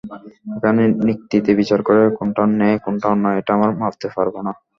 এখানে নিক্তিতে বিচার করে কোনটা ন্যায়, কোনটা অন্যায়-এটা আমরা মাপতে পারব না।